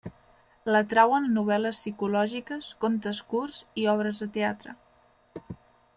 L'atrauen novel·les psicològiques, contes curts i obres de teatre.